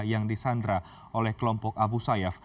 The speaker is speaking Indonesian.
yang disandra oleh kelompok abu sayyaf